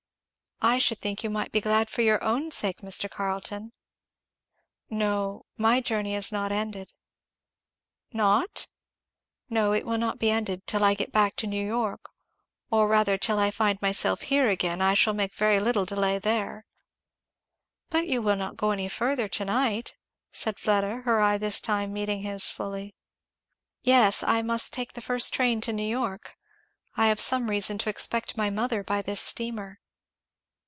"I should think you might be glad for your own sake, Mr. Carleton." "No my journey is not ended " "Not?" "No it will not be ended till I get back to New York, or rather till I find myself here again I shall make very little delay there " "But you will not go any further to night?" said Fleda, her eye this time meeting his fully. "Yes I must take the first train to New York. I have some reason to expect my mother by this steamer."